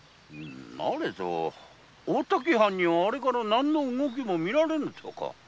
なれど大滝藩にはあれから何の動きも見られぬとか。